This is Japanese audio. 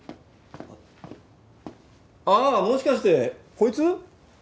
あもしかしてこいつ？